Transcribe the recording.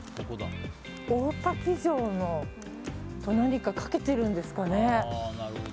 大多喜城と何かかけてるんですかね。